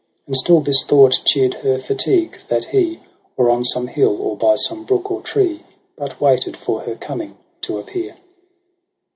And still this thought cheer'd her fatigue, that he. Or on some hill, or by some brook or tree. But waited for her coming to appear.